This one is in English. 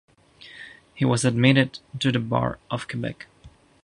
He was admitted to the Bar of Quebec.